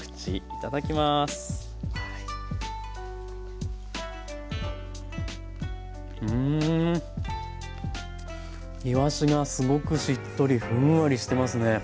いわしがすごくしっとりふんわりしてますね。